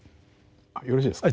あよろしいですか。